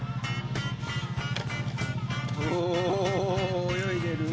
・お泳いでる。